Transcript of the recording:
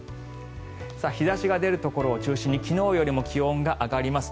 日差しが出るところを中心に昨日よりも気温が上がります。